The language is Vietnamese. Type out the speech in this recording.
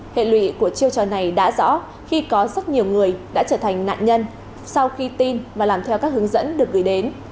hệ lụy của chiêu trò này đã rõ khi có rất nhiều người đã trở thành nạn nhân sau khi tin và làm theo các hướng dẫn được gửi đến